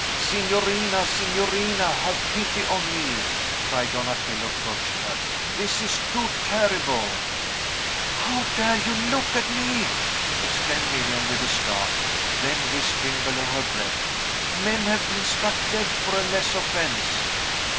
"Signorina! signorina! have pity on me!" cried Donatello, approaching her; "this is too terrible!" "How dare you look, at me!" exclaimed Miriam, with a start; then, whispering below her breath, "men have been struck dead for a less offence!"